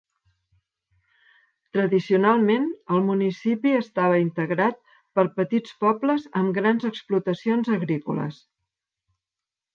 Tradicionalment, el municipi estava integrat per petits pobles amb grans explotacions agrícoles.